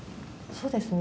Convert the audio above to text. そうですね。